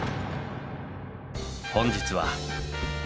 本日は。